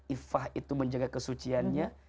iffah itu menjaga kesuciannya